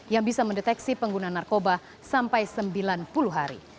yang bisa mendeteksi pengguna narkoba sampai sembilan puluh hari